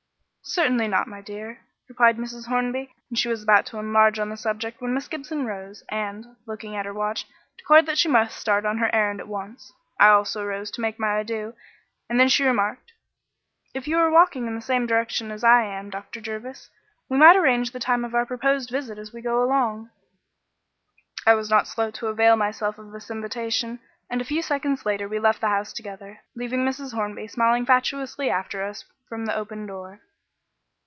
"Certainly not, my dear," replied Mrs. Hornby, and she was about to enlarge on the subject when Miss Gibson rose and, looking at her watch, declared that she must start on her errand at once. I also rose to make my adieux, and she then remarked "If you are walking in the same direction as I am, Dr. Jervis, we might arrange the time of our proposed visit as we go along." I was not slow to avail myself of this invitation, and a few seconds later we left the house together, leaving Mrs. Hornby smiling fatuously after us from the open door.